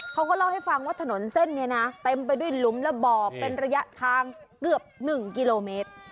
เขาก็เล่าให้ฟังว่าถนนเส้นนี้นะเต็มไปด้วยหลุมและบ่อเป็นระยะทางเกือบ๑กิโลเมตร